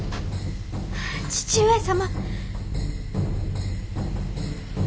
義父上様！